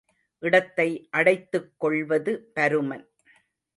இடத்தை அடைத்துக் கொள்வது பருமன்.